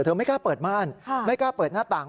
ไม่กล้าเปิดม่านไม่กล้าเปิดหน้าต่าง